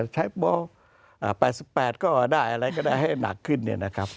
ใช้ม๘๘ก็ได้อะไรก็ได้ให้หนักขึ้น